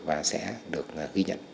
và sẽ được ghi nhận